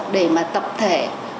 để mà tập thể